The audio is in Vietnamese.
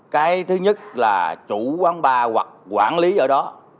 cái thứ nhất là chủ quán bar hoặc quản lý ở đó